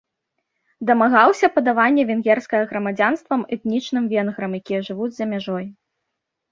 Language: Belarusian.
Дамагаўся падавання венгерскага грамадзянствам этнічным венграм, якія жывуць за мяжой.